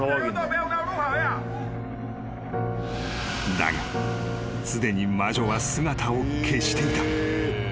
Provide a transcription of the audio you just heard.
［だがすでに魔女は姿を消していた］